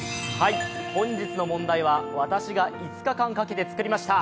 本日の問題は、私が５日間かけて作りました。